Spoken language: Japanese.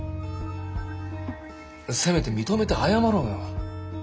せめて認めて謝ろうよ。